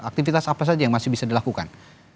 aktivitas apa saja yang masih bisa dilakukan